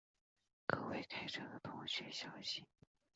各位开车的同学小心